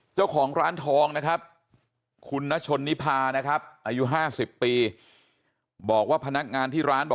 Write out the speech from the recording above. เจ้าของร้านทองนะครับคุณนชนนิพานะครับอายุ๕๐ปีบอกว่าพนักงานที่ร้านบอก